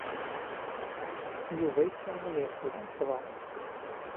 Yuba yessaram ad yeqqel d anesbaɣur.